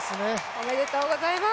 おめでとうございます！